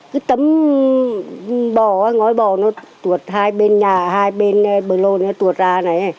cái tấm bò ngói bò nó tuột hai bên nhà hai bên bờ lô nó tuột ra này